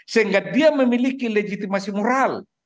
sehingga dia memiliki legitimasi moral